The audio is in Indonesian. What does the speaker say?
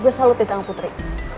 gue salutin sama putri